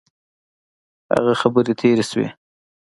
هغه خبري تیري سوې.